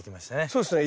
そうですね。